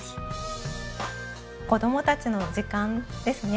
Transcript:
子供たちの時間ですね。